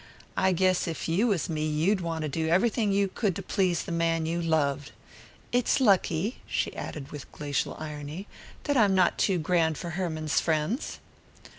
"I guess if you was me you'd want to do everything you could to please the man you loved. It's lucky," she added with glacial irony, "that I'm not too grand for Herman's friends."